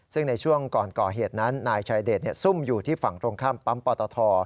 ซึ่งในช่วงก่อนก่อเหตุนั้นนายชายเดชซุ่มอยู่ที่ฝั่งตรงข้ามปั๊มปตท